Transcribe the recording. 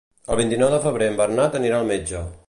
El vint-i-nou de febrer en Bernat anirà al metge.